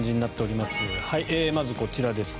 まずこちらですね。